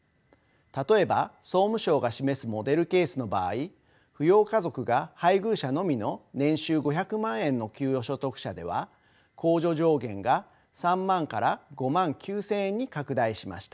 例えば総務省が示すモデルケースの場合扶養家族が配偶者のみの年収５００万円の給与所得者では控除上限が３万から５万９，０００円に拡大しました。